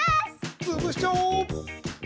つぶしちゃおう！